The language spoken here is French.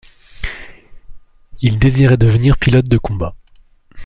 Il désirait devenir pilote de combat.